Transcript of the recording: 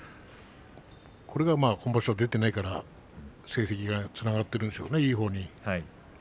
これが本場所、出ていないから成績がつながっているんでしょうね、いいほうに。